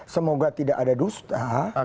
semoga tidak ada dusta